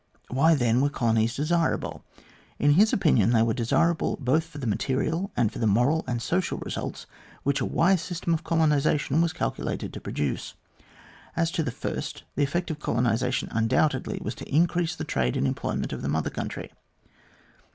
Why, then, were colonies desirable ? In his opinion, they were desirable both for the material and for the moral and social results which a wise system of colonisation was calculated to produce. As to the first, the effect of colonisation undoubtedly was to increase the trade and employment of the Mother Country.